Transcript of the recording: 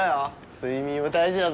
睡眠も大事だぞ。